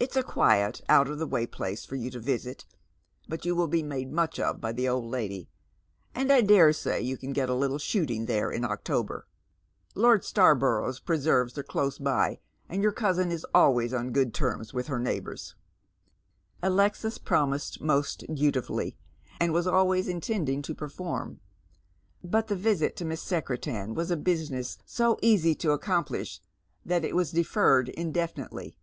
It's a quiet, out of the way place for you to visit, but you will be made much of by the old lady, and I dare say you can get a littlo shooting there " Will Fortune never comef" 161 in October. Lord Starborough's preserves are close by, and yotir cousin was always on good terms with her neighbours." Alexia promised most dutifully, and was always intending to perfonn; but the visit to Miss Secretan was a business so easy to accomplish that it was deferred indefinitely.